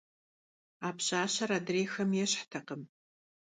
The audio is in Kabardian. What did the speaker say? А пщащэр адрейхэм ещхьтэкъым.